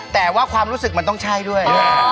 แต่ว่าความรู้สึกมันต้องใช่ด้วย